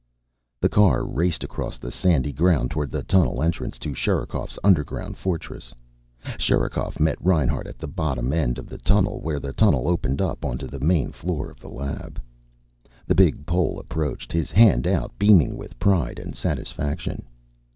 The car raced across the sandy ground, toward the tunnel entrance to Sherikov's underground fortress. Sherikov met Reinhart at the bottom end of the tunnel, where the tunnel opened up onto the main floor of the lab. The big Pole approached, his hand out, beaming with pride and satisfaction.